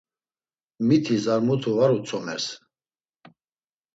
Mitis ar mutu var utzumers.